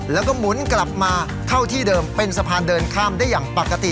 แล้วก็หมุนกลับมาเข้าที่เดิมเป็นสะพานเดินข้ามได้อย่างปกติ